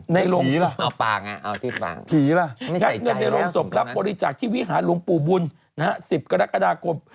ในโรงศพก็งัดเงินในโรงศพรับบริจาคที่วิหารุงปู่บุญ๑๐กรกฎาคม